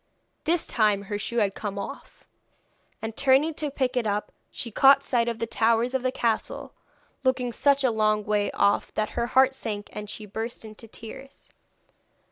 This time her shoe had come off, and turning to pick it up she caught sight of the towers of the castle, looking such a long way off that her heart sank, and she burst into tears.